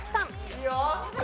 いいよ！